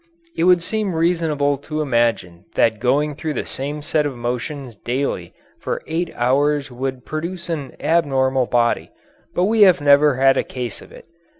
It would seem reasonable to imagine that going through the same set of motions daily for eight hours would produce an abnormal body, but we have never had a case of it.